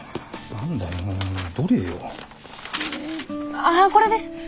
ああこれです！